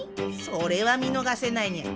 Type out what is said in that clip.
それは見逃せないにゃ。